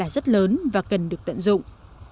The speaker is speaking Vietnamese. rất lớn và cần được tận dụng